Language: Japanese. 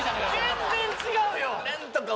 全然違うよ！